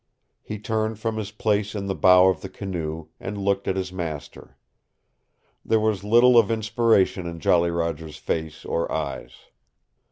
He turned from his place in the bow of the canoe, and looked at his master. There was little of inspiration in Jolly Roger's face or eyes.